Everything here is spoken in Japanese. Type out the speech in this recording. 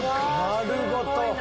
丸ごと。